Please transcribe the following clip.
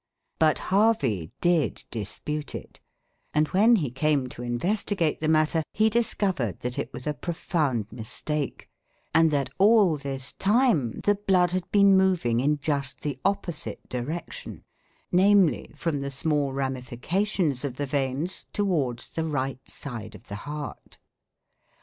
But Harvey did dispute it; and when he came to investigate the matter he discovered that it was a profound mistake, and that, all this time, the blood had been moving in just the opposite direction, namely, from the small ramifications of the veins towards the right side of the heart.